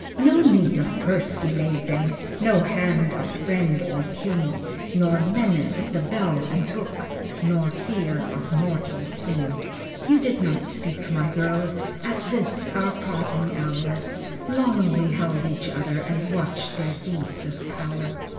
No need of purse delayed them, No hand of friend or kin Nor menace of the bell and book, Nor fear of mortal sin. You did not speak, my girl, At this, our parting hour. Long we held each other And watched their deeds of power.